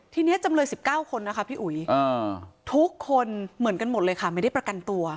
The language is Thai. ทีนี้จำเลย๑๙คนนะคะพี่อุ๋ยทุกคนเหมือนกันหมดเลยค่ะไม่ได้ประกันตัว